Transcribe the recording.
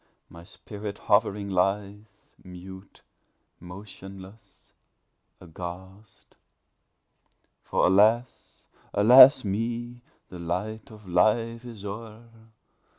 my spirit hovering lies Mute, motionless, aghast! For, alas! alas! with me The light of Life is o'er!